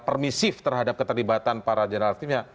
permisif terhadap keterlibatan para general timnya